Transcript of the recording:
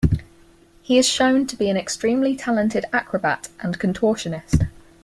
He is shown to be an extremely talented acrobat and contortionist.